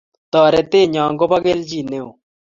Toretet nyo kopi kelchin neo